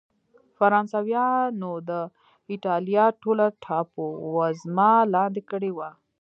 فرانسویانو د اېټالیا ټوله ټاپو وزمه لاندې کړې وه.